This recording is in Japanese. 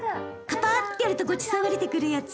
カパッてやるとごちそうが出てくるやつ。